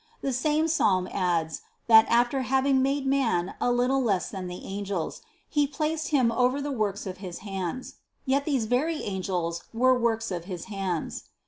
The same psalm adds, that, after having made man a little less than the angels, He placed him over the works of his hands: yet these very angels were works of his hands.